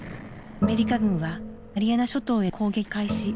アメリカ軍はマリアナ諸島への攻撃を開始。